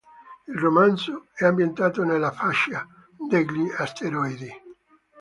Il romanzo è ambientato nella fascia degli asteroidi.